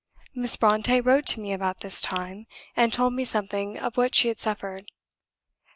Miss Brontë wrote to me about this time, and told me something of what she had suffered.